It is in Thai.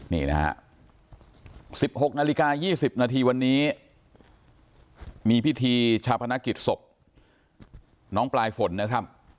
นี่นะฮะ๑๖นาฬิกา๒๐นาทีวันนี้มีพิธีชาพนักกิจศพน้องปลายฝนนะครับ